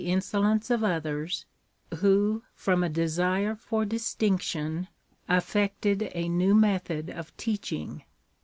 insolence of others, who from a desire for distinction, affected a new method of teaching.